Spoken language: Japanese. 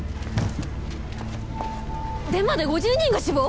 デマで５０人が死亡！？